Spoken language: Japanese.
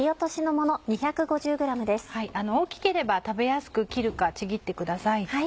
大きければ食べやすく切るかちぎってください。